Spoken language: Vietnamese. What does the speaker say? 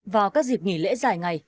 vào các dịp nghỉ lễ dài ngày